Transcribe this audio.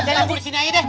jangan berusiniai deh